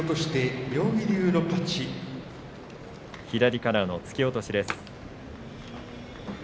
左からの突き落としです。